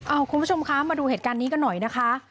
คุณผู้ชมคะมาดูเหตุการณ์นี้กันหน่อยนะคะ